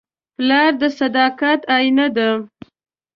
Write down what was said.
پلار د صداقت آیینه ده.